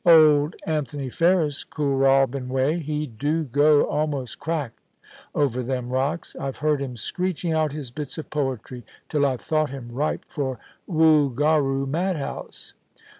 Old Anthony Ferris Kooralbyn way, he do go almost cracked over them rocks. I've heard him screeching out his bits of poetry, till I've thought him ripe for Woogaroo mad house.